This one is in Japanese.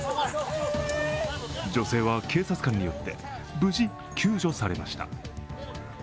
女性は警察官によって無事救助されました。